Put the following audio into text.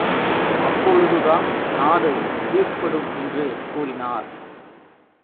அப்பொழுதுதான் நாடு சீர்ப்படும் என்று கூறினார்.